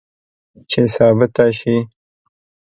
چې ثابته شي